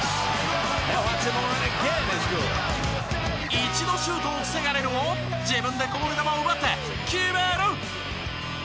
一度シュートを防がれるも自分でこぼれ球を奪って決める！